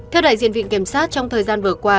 theo đại diện viện kiểm sát trong thời gian vừa qua